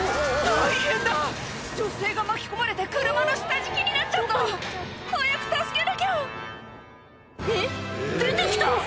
大変だ女性が巻き込まれて車の下敷きになっちゃった早く助けなきゃえっ出て来た！